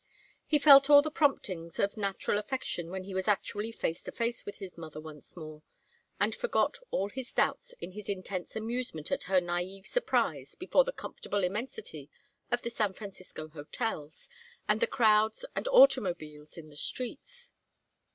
He felt all the promptings of natural affection when he was actually face to face with his mother once more, and forgot all his doubts in his intense amusement at her naïve surprise before the comfortable immensity of the San Francisco hotels, and the crowds and automobiles in the streets.